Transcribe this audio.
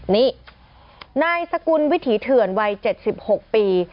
นี่นายสกุลวิถีเถื่อนวัย๗๖ปี